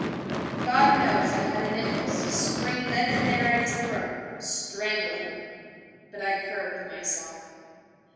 tut!_ God knows, I had an impulse to spring then and there at his throat, and strangle him: but I curbed myself.